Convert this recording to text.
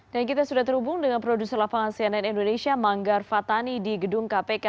dan kita sudah terhubung dengan produser lapangan cnn indonesia manggar fatani di gedung kpk